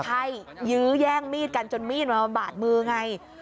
ใช่ยื้อแย่งมีดกันจนมีดมันมาบาดมือไง